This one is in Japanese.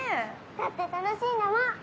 だって楽しいんだもん！